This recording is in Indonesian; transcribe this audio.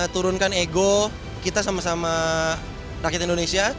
turunkan ego kita sama sama rakyat indonesia